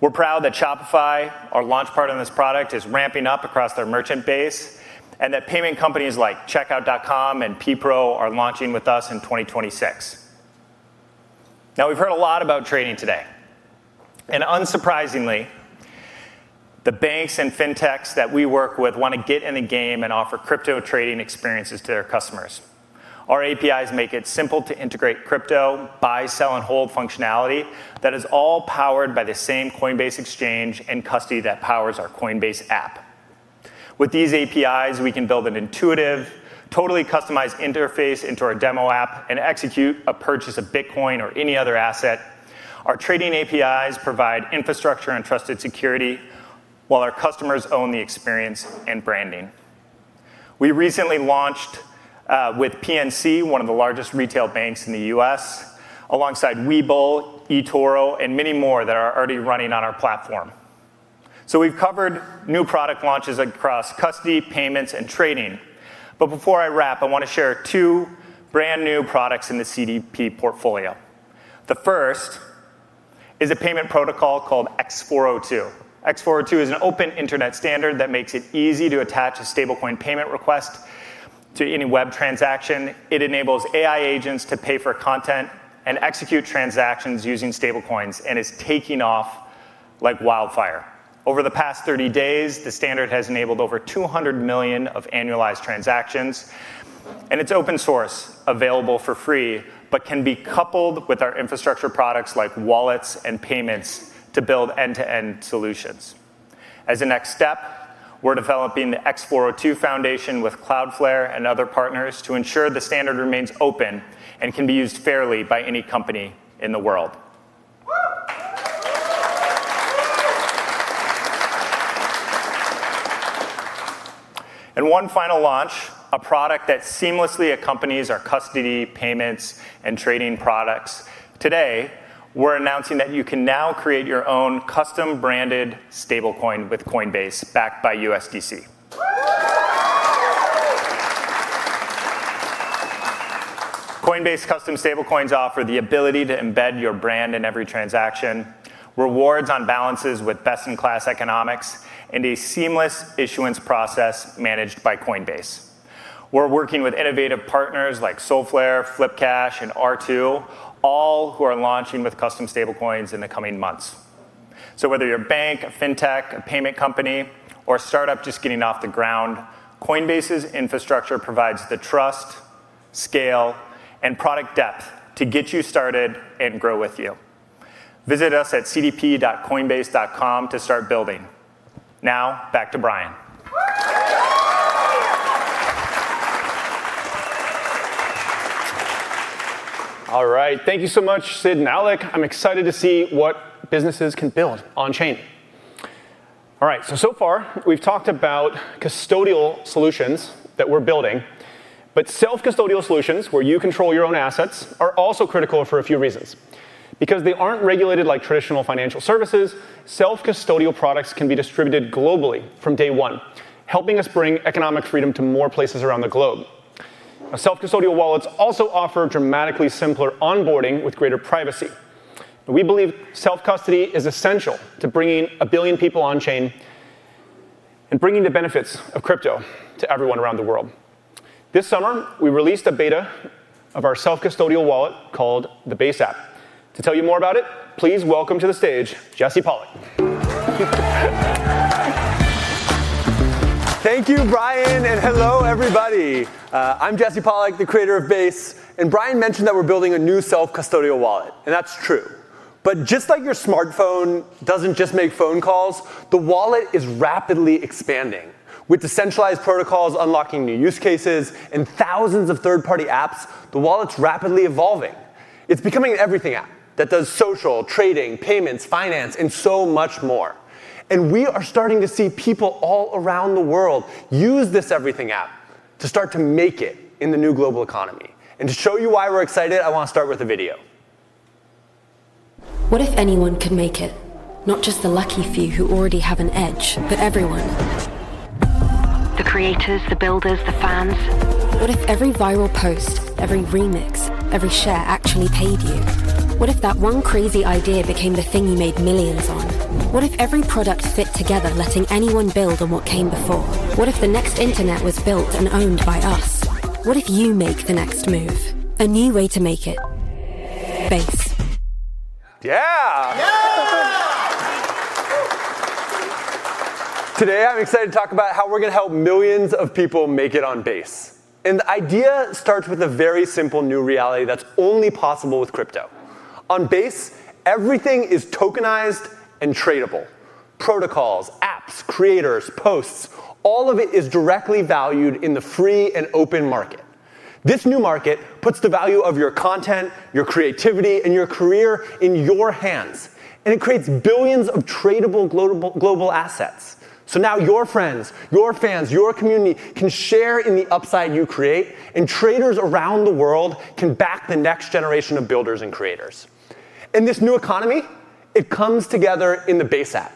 We're proud that Shopify, our launch partner on this product, is ramping up across their merchant base and that payment companies like Checkout.com and PPRO are launching with us in 2026. Now, we've heard a lot about trading today. And unsurprisingly, the banks and fintechs that we work with want to get in the game and offer crypto trading experiences to their customers. Our APIs make it simple to integrate crypto, buy, sell, and hold functionality that is all powered by the same Coinbase exchange and custody that powers our Coinbase app. With these APIs, we can build an intuitive, totally customized interface into our demo app and execute a purchase of Bitcoin or any other asset. Our trading APIs provide infrastructure and trusted security while our customers own the experience and branding. We recently launched with PNC, one of the largest retail banks in the U.S., alongside Webull, eToro, and many more that are already running on our platform. So we've covered new product launches across custody, payments, and trading. But before I wrap, I want to share two brand new products in the CDP portfolio. The first is a payment protocol called x402. x402 is an open internet standard that makes it easy to attach a stablecoin payment request to any web transaction. It enables AI agents to pay for content and execute transactions using stablecoins and is taking off like wildfire. Over the past 30 days, the standard has enabled over 200 million of annualized transactions, and it's open source, available for free, but can be coupled with our infrastructure products like wallets and payments to build end-to-end solutions. As a next step, we're developing the x402 foundation with Cloudflare and other partners to ensure the standard remains open and can be used fairly by any company in the world, and one final launch, a product that seamlessly accompanies our custody, payments, and trading products. Today, we're announcing that you can now create your own custom-branded stablecoin with Coinbase backed by USDC. Coinbase custom stablecoins offer the ability to embed your brand in every transaction, rewards on balances with best-in-class economics, and a seamless issuance process managed by Coinbase. We're working with innovative partners like Solflare, FlipCash, and R2, all who are launching with custom stablecoins in the coming months. So whether you're a bank, a fintech, a payment company, or a startup just getting off the ground, Coinbase's infrastructure provides the trust, scale, and product depth to get you started and grow with you. Visit us at cdp.coinbase.com to start building. Now, back to Brian. All right. Thank you so much, Sid and Alec. I'm excited to see what businesses can build on-chain. All right. So far, we've talked about custodial solutions that we're building. But self-custodial solutions, where you control your own assets, are also critical for a few reasons. Because they aren't regulated like traditional financial services, self-custodial products can be distributed globally from day one, helping us bring economic freedom to more places around the globe. Self-custodial wallets also offer dramatically simpler onboarding with greater privacy. But we believe self-custody is essential to bringing a billion people on-chain and bringing the benefits of crypto to everyone around the world. This summer, we released a beta of our self-custodial wallet called the Base App. To tell you more about it, please welcome to the stage Jesse Pollak. Thank you, Brian. And hello, everybody. I'm Jesse Pollak, the creator of Base. And Brian mentioned that we're building a new self-custodial wallet. And that's true. But just like your smartphone doesn't just make phone calls, the wallet is rapidly expanding. With decentralized protocols unlocking new use cases and thousands of third-party apps, the wallet's rapidly evolving. It's becoming an everything app that does social, trading, payments, finance, and so much more. And we are starting to see people all around the world use this everything app to start to make it in the new global economy. And to show you why we're excited, I want to start with a video. What if anyone could make it? Not just the lucky few who already have an edge, but everyone. The creators, the builders, the fans. What if every viral post, every remix, every share actually paid you? What if that one crazy idea became the thing you made millions on? What if every product fit together, letting anyone build on what came before? What if the next internet was built and owned by us? What if you make the next move? A new way to make it. Base. Yeah. Yeah. Today, I'm excited to talk about how we're going to help millions of people make it on Base. And the idea starts with a very simple new reality that's only possible with crypto. On Base, everything is tokenized and tradable. Protocols, apps, creators, posts, all of it is directly valued in the free and open market. This new market puts the value of your content, your creativity, and your career in your hands, and it creates billions of tradable global assets, so now your friends, your fans, your community can share in the upside you create, and traders around the world can back the next generation of builders and creators, and this new economy, it comes together in the Base App.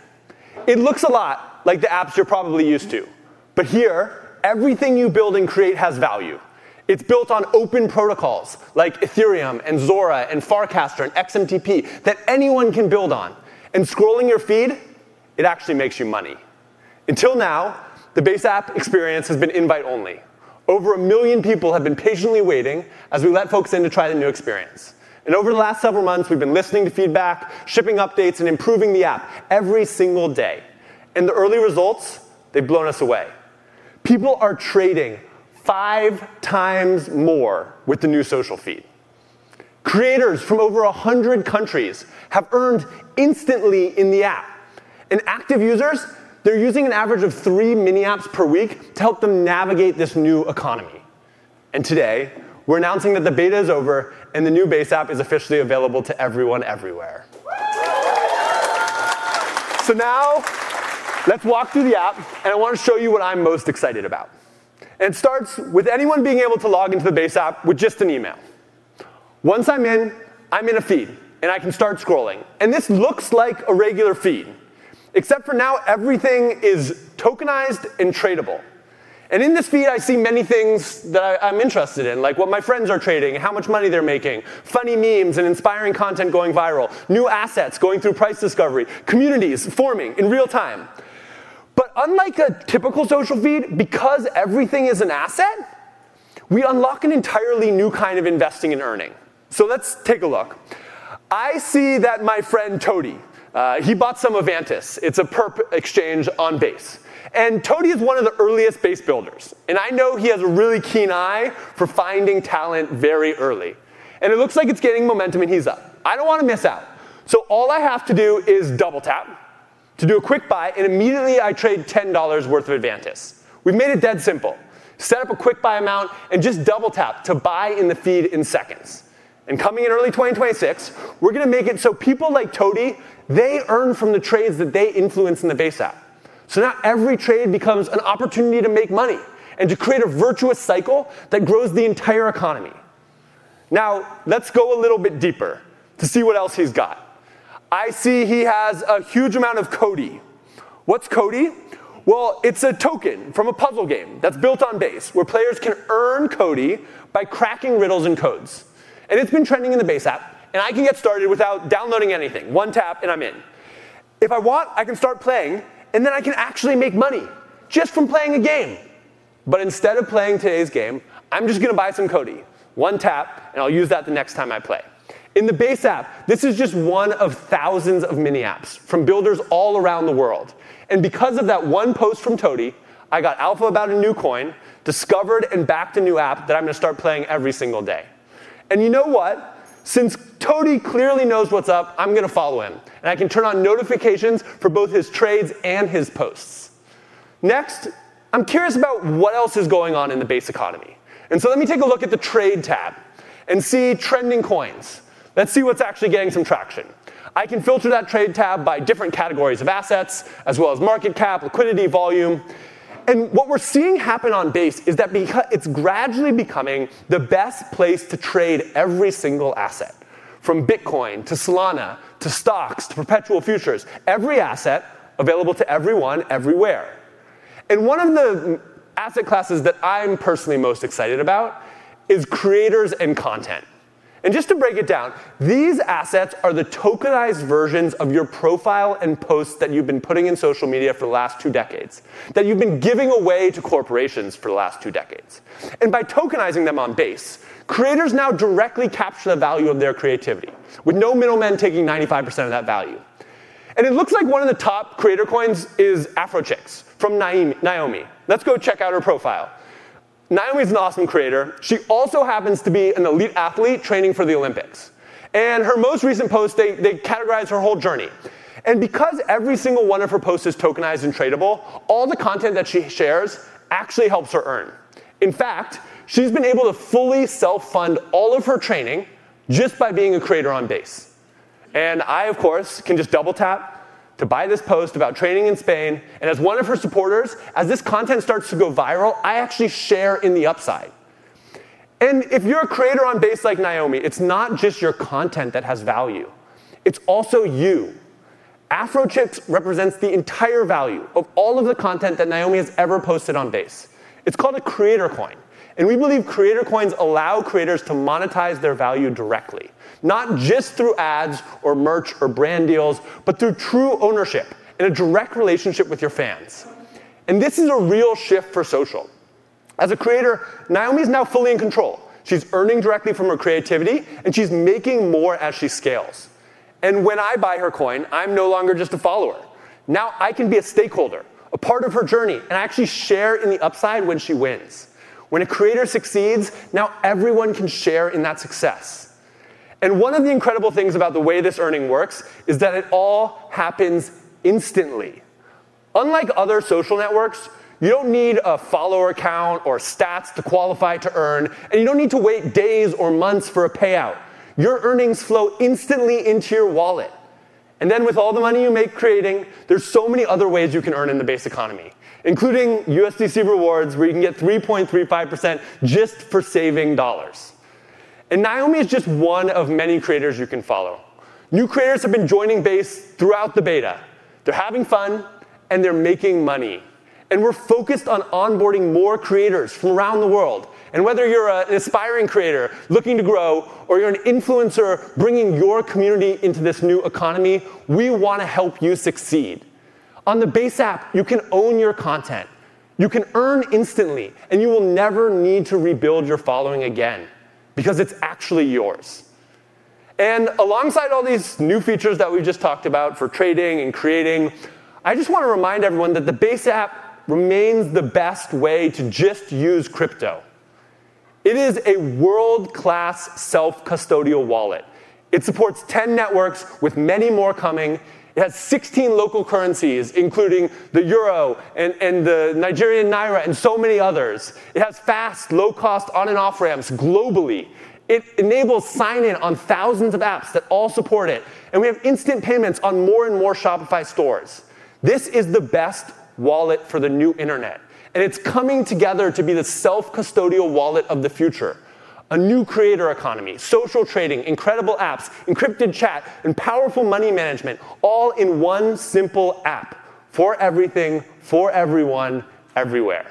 It looks a lot like the apps you're probably used to, but here, everything you build and create has value. It's built on open protocols like Ethereum and Zora and Farcaster and XMTP that anyone can build on, and scrolling your feed, it actually makes you money. Until now, the Base App experience has been invite-only. Over a million people have been patiently waiting as we let folks in to try the new experience. And over the last several months, we've been listening to feedback, shipping updates, and improving the app every single day. And the early results, they've blown us away. People are trading five times more with the new social feed. Creators from over 100 countries have earned instantly in the app. And active users, they're using an average of three mini apps per week to help them navigate this new economy. And today, we're announcing that the beta is over and the new Base App is officially available to everyone everywhere. So now, let's walk through the app. And I want to show you what I'm most excited about. And it starts with anyone being able to log into the Base App with just an email. Once I'm in, I'm in a feed. And I can start scrolling. And this looks like a regular feed, except for now everything is tokenized and tradable. And in this feed, I see many things that I'm interested in, like what my friends are trading, how much money they're making, funny memes and inspiring content going viral, new assets going through price discovery, communities forming in real time. But unlike a typical social feed, because everything is an asset, we unlock an entirely new kind of investing and earning. So let's take a look. I see that my friend Tody, he bought some Avantis. It's a perp exchange on Base. And Tody is one of the earliest Base builders. And I know he has a really keen eye for finding talent very early. And it looks like it's getting momentum and he's up. I don't want to miss out. So all I have to do is double tap to do a quick buy. And immediately, I trade $10 worth of Avantis. We've made it dead simple. Set up a quick buy amount and just double tap to buy in the feed in seconds. And coming in early 2026, we're going to make it so people like Tody, they earn from the trades that they influence in the Base App. So now every trade becomes an opportunity to make money and to create a virtuous cycle that grows the entire economy. Now, let's go a little bit deeper to see what else he's got. I see he has a huge amount of Kote. What's Kote? Well, it's a token from a puzzle game that's built on Base where players can earn Kote by cracking riddles and codes. And it's been trending in the Base App. I can get started without downloading anything. One tap and I'm in. If I want, I can start playing, then I can actually make money just from playing a game, but instead of playing today's game, I'm just going to buy some Kote. One tap and I'll use that the next time I play. In the Base App, this is just one of thousands of mini apps from builders all around the world. Because of that one post from Tody, I got alpha about a new coin, discovered and backed a new app that I'm going to start playing every single day. You know what? Since Tody clearly knows what's up, I'm going to follow him. I can turn on notifications for both his trades and his posts. Next, I'm curious about what else is going on in the Base economy. And so, let me take a look at the trade tab and see trending coins. Let's see what's actually getting some traction. I can filter that trade tab by different categories of assets as well as market cap, liquidity, volume. And what we're seeing happen on Base is that it's gradually becoming the best place to trade every single asset, from Bitcoin to Solana to stocks to perpetual futures, every asset available to everyone everywhere. And one of the asset classes that I'm personally most excited about is creators and content. And just to break it down, these assets are the tokenized versions of your profile and posts that you've been putting in social media for the last two decades, that you've been giving away to corporations for the last two decades. And by tokenizing them on Base, creators now directly capture the value of their creativity with no middlemen taking 95% of that value. And it looks like one of the top creator coins is AfroChicks from Naomi. Let's go check out her profile. Naomi is an awesome creator. She also happens to be an elite athlete training for the Olympics. And her most recent post, they categorize her whole journey. And because every single one of her posts is tokenized and tradable, all the content that she shares actually helps her earn. In fact, she's been able to fully self-fund all of her training just by being a creator on Base. And I, of course, can just double tap to buy this post about training in Spain. And as one of her supporters, as this content starts to go viral, I actually share in the upside. And if you're a creator on Base like Naomi, it's not just your content that has value. It's also you. AfroChicks represents the entire value of all of the content that Naomi has ever posted on Base. It's called a creator coin. And we believe creator coins allow creators to monetize their value directly, not just through ads or merch or brand deals, but through true ownership and a direct relationship with your fans. And this is a real shift for social. As a creator, Naomi is now fully in control. She's earning directly from her creativity. And she's making more as she scales. And when I buy her coin, I'm no longer just a follower. Now I can be a stakeholder, a part of her journey, and actually share in the upside when she wins. When a creator succeeds, now everyone can share in that success. One of the incredible things about the way this earning works is that it all happens instantly. Unlike other social networks, you don't need a follower account or stats to qualify to earn. You don't need to wait days or months for a payout. Your earnings flow instantly into your wallet. With all the money you make creating, there's so many other ways you can earn in the Base economy, including USDC rewards where you can get 3.35% just for saving dollars. Naomi is just one of many creators you can follow. New creators have been joining Base throughout the beta. They're having fun. They're making money. We're focused on onboarding more creators from around the world. Whether you're an aspiring creator looking to grow or you're an influencer bringing your community into this new economy, we want to help you succeed. On the Base App, you can own your content. You can earn instantly, and you will never need to rebuild your following again because it's actually yours, and alongside all these new features that we've just talked about for trading and creating, I just want to remind everyone that the Base App remains the best way to just use crypto. It is a world-class self-custodial wallet. It supports 10 networks with many more coming. It has 16 local currencies, including the Euro and the Nigerian Naira and so many others. It has fast, low-cost on- and off-ramps globally. It enables sign-in on thousands of apps that all support it, and we have instant payments on more and more Shopify stores. This is the best wallet for the new internet, and it's coming together to be the self-custodial wallet of the future. A new creator economy, social trading, incredible apps, encrypted chat, and powerful money management, all in one simple app for everything, for everyone, everywhere.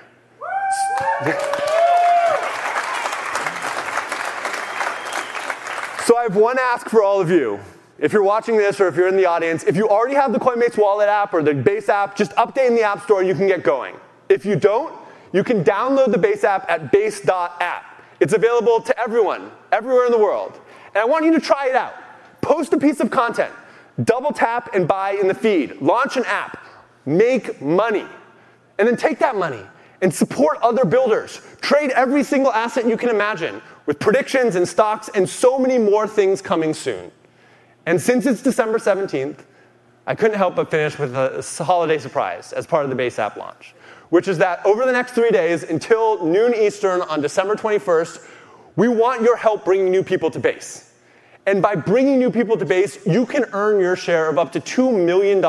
So I have one ask for all of you. If you're watching this or if you're in the audience, if you already have the Coinbase Wallet app or the Base App, just update in the App Store. You can get going. If you don't, you can download the Base App at base.app. It's available to everyone, everywhere in the world. And I want you to try it out. Post a piece of content, double tap and buy in the feed, launch an app, make money. And then take that money and support other builders, trade every single asset you can imagine with predictions and stocks and so many more things coming soon. And since it's December 17, I couldn't help but finish with a holiday surprise as part of the Base App launch, which is that over the next three days until noon Eastern on December 21, we want your help bringing new people to Base. And by bringing new people to Base, you can earn your share of up to $2 million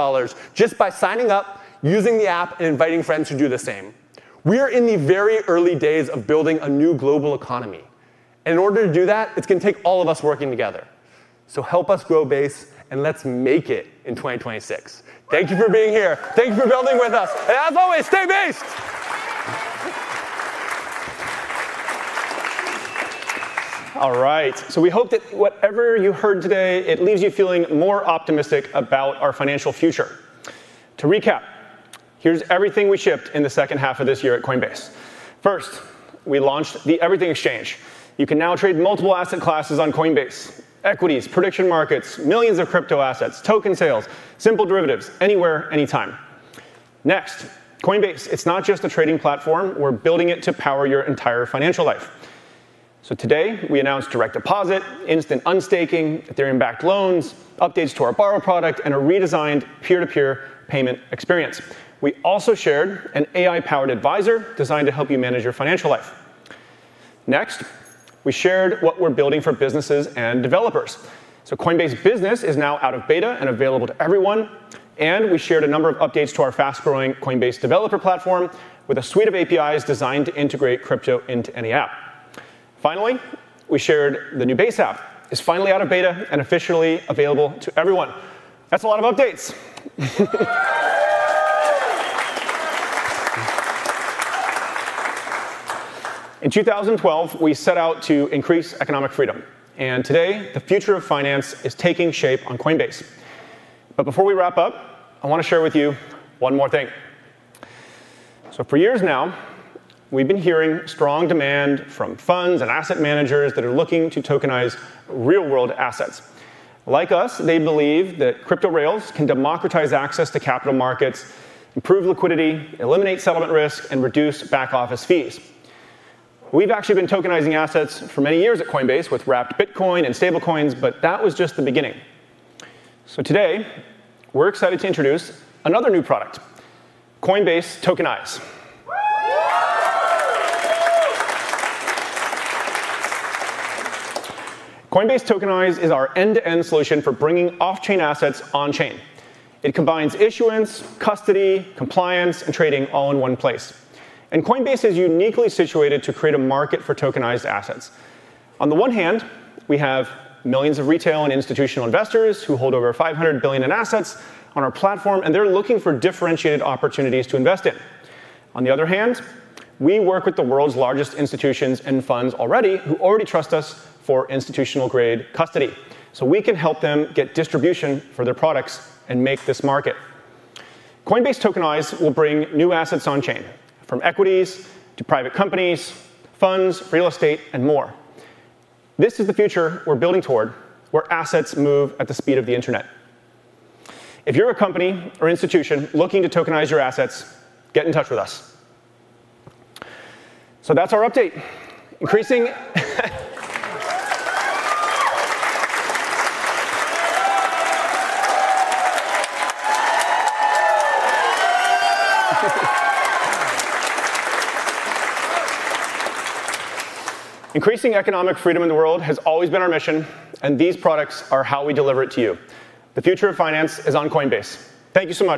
just by signing up, using the app, and inviting friends to do the same. We are in the very early days of building a new global economy. And in order to do that, it's going to take all of us working together. So help us grow Base. And let's make it in 2026. Thank you for being here. Thank you for building with us. And as always, stay based. All right. So we hope that whatever you heard today, it leaves you feeling more optimistic about our financial future. To recap, here's everything we shipped in the second half of this year at Coinbase. First, we launched the Everything Exchange. You can now trade multiple asset classes on Coinbase: equities, prediction markets, millions of crypto assets, token sales, simple derivatives, anywhere, anytime. Next, Coinbase, it's not just a trading platform. We're building it to power your entire financial life. So today, we announced direct deposit, instant unstaking, Ethereum-backed loans, updates to our borrow product, and a redesigned peer-to-peer payment experience. We also shared an AI-powered advisor designed to help you manage your financial life. Next, we shared what we're building for businesses and developers. So Coinbase Business is now out of beta and available to everyone. And we shared a number of updates to our fast-growing Coinbase developer platform with a suite of APIs designed to integrate crypto into any app. Finally, we shared the new Base App. It's finally out of beta and officially available to everyone. That's a lot of updates. In 2012, we set out to increase economic freedom, and today, the future of finance is taking shape on Coinbase, but before we wrap up, I want to share with you one more thing, so for years now, we've been hearing strong demand from funds and asset managers that are looking to tokenize real-world assets. Like us, they believe that crypto rails can democratize access to capital markets, improve liquidity, eliminate settlement risk, and reduce back-office fees. We've actually been tokenizing assets for many years at Coinbase with Wrapped Bitcoin and stablecoins, but that was just the beginning, so today, we're excited to introduce another new product, Coinbase Tokenize. Coinbase Tokenize is our end-to-end solution for bringing off-chain assets on-chain. It combines issuance, custody, compliance, and trading all in one place. And Coinbase is uniquely situated to create a market for tokenized assets. On the one hand, we have millions of retail and institutional investors who hold over $500 billion in assets on our platform. And they're looking for differentiated opportunities to invest in. On the other hand, we work with the world's largest institutions and funds who already trust us for institutional-grade custody. So we can help them get distribution for their products and make this market. Coinbase Tokenize will bring new assets on-chain from equities to private companies, funds, real estate, and more. This is the future we're building toward where assets move at the speed of the internet. If you're a company or institution looking to tokenize your assets, get in touch with us. So that's our update. Increasing economic freedom in the world has always been our mission. These products are how we deliver it to you. The future of finance is on Coinbase. Thank you so much.